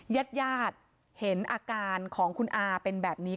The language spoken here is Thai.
ยัดเห็นอาการของคุณอาร์เป็นแบบนี้